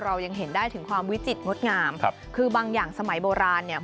เรายังเห็นได้ถึงความวิจิตรงดงามครับคือบางอย่างสมัยโบราณเนี่ย